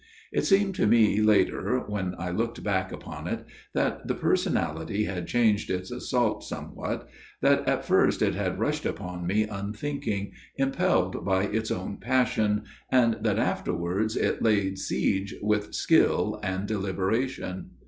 It seemed to me, later, when I looked back upon it, that the personality had changed its assault somewhat, that at first it had rushed upon me unthinking, impelled by its own passion, and that afterwards it laid siege with skill and delibera tion.